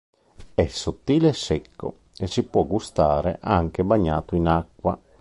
È sottile e secco e si può gustare anche bagnato in acqua.